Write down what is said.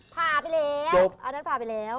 พาไปแล้วอันนั้นพาไปแล้ว